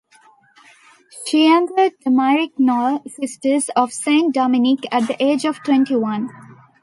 She entered the Maryknoll Sisters of Saint Dominic at the age of twenty-one.